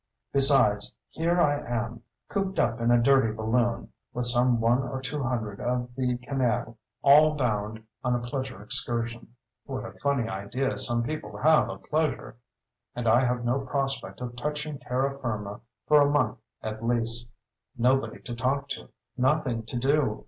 Besides, here I am, cooped up in a dirty balloon, with some one or two hundred of the canaille, all bound on a pleasure excursion, (what a funny idea some people have of pleasure!) and I have no prospect of touching terra firma for a month at least. Nobody to talk to. Nothing to do.